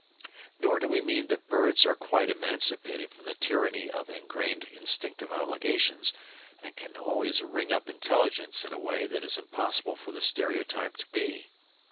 Nor do we mean that birds are quite emancipated from the tyranny of engrained instinctive obligations, and can always "ring up" intelligence in a way that is impossible for the stereotyped bee.